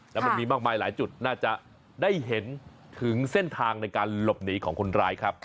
แล้วมันมีมากมายหลายจุดน่าจะได้เห็นถึงเส้นทางในการหลบหนีของคนร้ายครับ